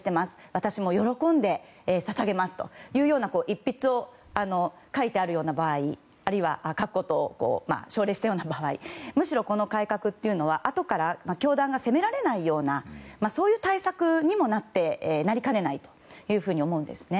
私も喜んで捧げますという一筆を書いてあるような場合あるいは書くことを奨励したような場合むしろ、この改革はあとから教団が責められないような対策にもなりかねないというふうに思うんですね。